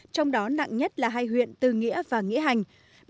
trong đó nặng nhất là hai huyện tư nghĩa và nghĩa hành